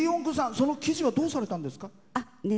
その生地はどうされたんですか？